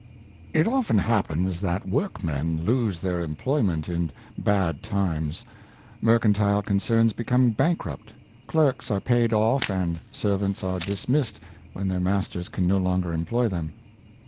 It often happens that workmen lose their employ ment in "bad times." Mercantile concerns become bankrupt, clerks are paid off, and servants are dismissed when their masters can no longer employ them.